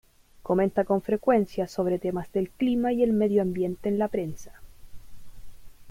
Comenta con frecuencia sobre temas del clima y el medio ambiente en la prensa.